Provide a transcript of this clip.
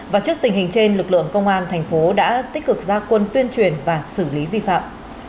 và trước tình hình trên lực lượng công an thành phố đã tích cực ra quân tuyên truyền và xử lý vi phạm